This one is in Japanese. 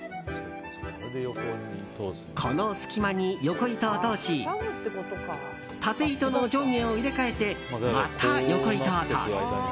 この隙間に横糸を通し縦糸の上下を入れ替えてまた横糸を通す。